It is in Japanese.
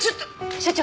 所長。